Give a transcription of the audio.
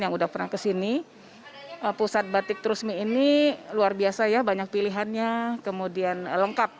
yang udah pernah kesini pusat batik terusmi ini luar biasa ya banyak pilihannya kemudian lengkap